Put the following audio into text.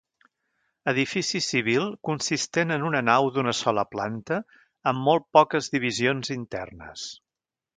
Edifici civil consistent en una nau d'una sola planta amb molt poques divisions internes.